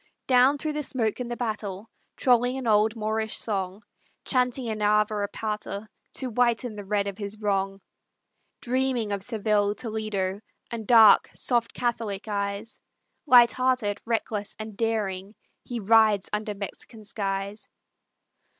Down through the smoke and the battle, Trolling an old Moorish song, Chanting an Ave or Pater, To whiten the red of his wrong, Dreaming of Seville, Toledo, And dark, soft catholic eyes, Light hearted, reckless, and daring, He rides under Mexican skies.